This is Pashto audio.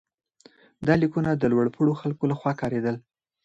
دا لیکونه د لوړ پوړو خلکو لخوا کارېدل.